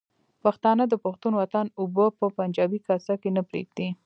پښتانه د پښتون وطن اوبه په پنجابي کاسه کې نه پرېږدي.